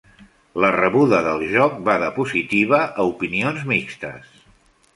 La rebuda del joc va de positiva a opinions mixtes.